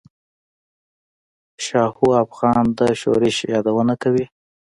شاهو افغان د شورش یادونه کوي.